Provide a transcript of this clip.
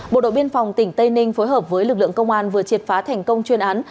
bộ đội biên phòng tỉnh tây ninh phối hợp với lực lượng công an vừa triệt phá thành công chuyên án